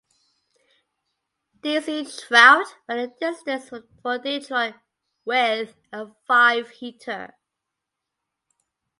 Dizzy Trout went the distance for Detroit with a five-hitter.